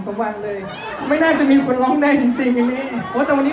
ฉันเข้าใจว่าเก็บเพียงไหนที่เธอโดนทำร้ายมาในวันนี้